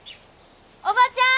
おばちゃん！